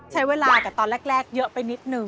ใช้เวลากับตอนแรกเยอะไปนิดนึง